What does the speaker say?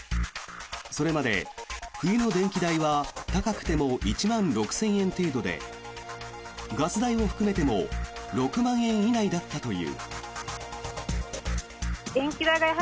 それまで冬の電気代は高くても１万６０００円程度でガス代を含めても６万円以内だったという。